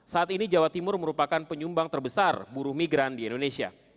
saat ini jawa timur merupakan penyumbang terbesar buruh migran di indonesia